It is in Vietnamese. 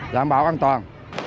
đảm bảo an toàn